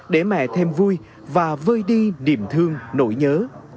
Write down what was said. để mẹ thêm vui và vơi đi điểm thương nỗi nhớ